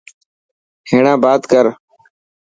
هيڻا بات ڪر.